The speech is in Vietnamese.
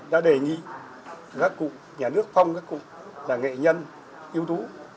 đã đề nghị các cụ nhà nước phong các cụ là nghệ nhân yếu đu